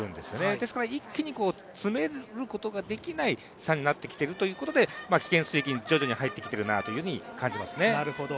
ですから一気に詰めることができない差になってきているということで危険水域に徐々に入ってきてるなと感じますね。